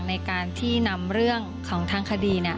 ในการที่นำเรื่องของทางคดี